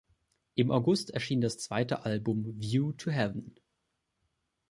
Im August erschien das zweite Album "View to Heaven".